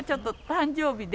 誕生日で。